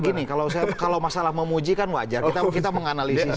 begini kalau masalah memuji kan wajar kita menganalisis